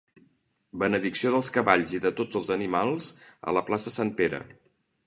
Benedicció dels cavalls i de tots els animals a la plaça Sant Pere.